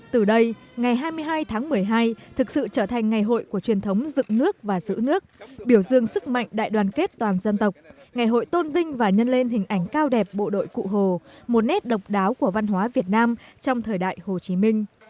từ đây ngày hai mươi hai tháng một mươi hai thực sự trở thành ngày hội của truyền thống dựng nước và giữ nước biểu dương sức mạnh đại đoàn kết toàn dân tộc ngày hội tôn vinh và nhân lên hình ảnh cao đẹp bộ đội cụ hồ một nét độc đáo của văn hóa việt nam trong thời đại hồ chí minh